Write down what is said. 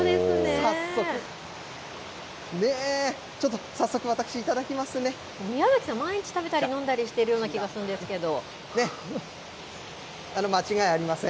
早速、ちょっと早速、私、頂きま宮崎さん、毎日食べたり飲んだりしてるような気がするんですけど。